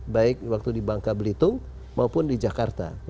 baik waktu di bangka belitung maupun di jakarta